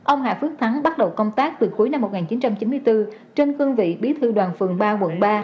ông hà phước thắng bắt đầu công tác từ cuối năm một nghìn chín trăm chín mươi bốn trên cương vị bí thư đoàn phường ba quận ba